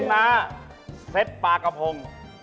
น้าเซ็ตปลากระพง